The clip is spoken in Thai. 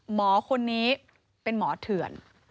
หมอคนนี้เป็นหมอเถื่อน